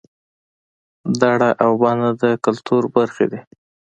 دړه او بنه د کولتور برخې دي